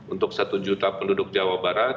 untuk satu juta penduduk jawa barat